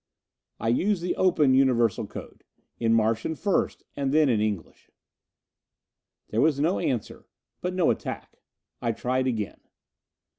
_" I used the open Universal Code. In Martian first, and then in English. There was no answer, but no attack. I tried again.